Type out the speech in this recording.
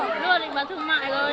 có người nhiều tiền